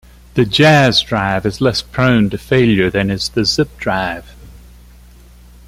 The Jaz drive is less prone to failure than is the Zip drive.